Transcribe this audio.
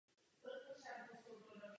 Byla jsem dotázána na typ informací.